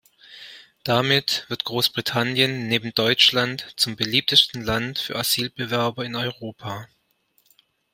Damit wird Großbritannien neben Deutschland zum beliebtesten Land für Asylbewerber in Europa.